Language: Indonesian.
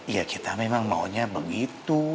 ya kita memang maunya begitu